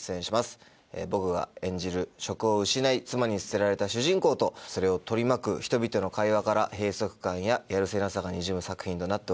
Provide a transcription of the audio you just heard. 僕が演じる職を失い妻に捨てられた主人公とそれを取り巻く人々の会話から閉塞感ややるせなさがにじむ作品となっております。